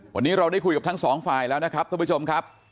วันนี้เราได้คุยกับทั้งสองฝ่ายแล้วนะครับท่านผู้ชมครับ